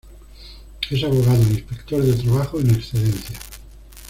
Es abogado e inspector de trabajo en excedencia.